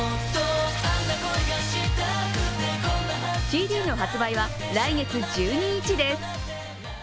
ＣＤの発売は来月１２日です。